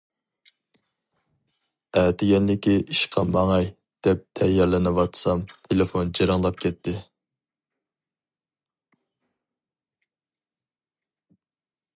ئەتىگەنلىكى ئىشقا ماڭاي دەپ تەييارلىنىۋاتسام، تېلېفون جىرىڭلاپ كەتتى.